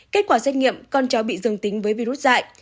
kết quả xét nghiệm con cháu bị dương tính với virus dại